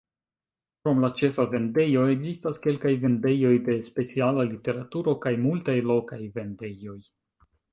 Krom la ĉefa vendejo, ekzistas kelkaj vendejoj de speciala literaturo kaj multaj lokaj vendejoj.